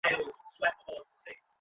আমি নিজেও জানি না।